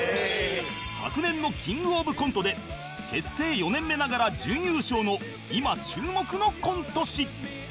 昨年のキングオブコントで結成４年目ながら準優勝の今注目のコント師